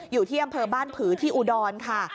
อยู่ที่อำเภอบ้านผือที่อุดรค่ะ